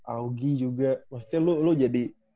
augie juga maksudnya lu jadi